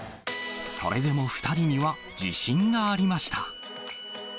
それでも２人には、自信がありました。